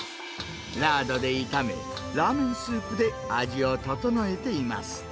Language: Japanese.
ラードで炒め、ラーメンスープで味を調えています。